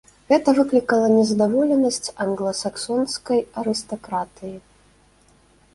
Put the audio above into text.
Гэта выклікала незадаволенасць англасаксонскай арыстакратыі.